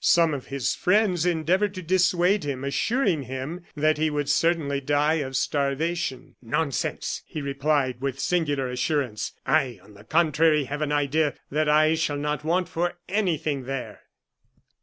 Some of his friends endeavored to dissuade him, assuring him that he would certainly die of starvation. "Nonsense!" he replied, with singular assurance; "I, on the contrary, have an idea that I shall not want for anything there."